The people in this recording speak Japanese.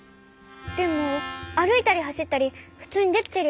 でもあるいたりはしったりふつうにできてるよね？